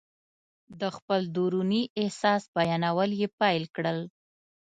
د خپل دروني احساس بیانول یې پیل کړل.